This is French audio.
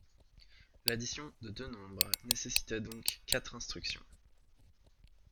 L'addition de deux nombres nécessitait donc quatre instructions.